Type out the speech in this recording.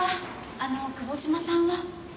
あの久保島さんは？